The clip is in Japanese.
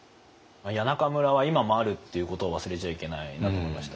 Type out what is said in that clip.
谷中村は今もあるっていうことを忘れちゃいけないなと思いました。